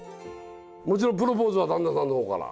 もちろんプロポーズは旦那さんの方から？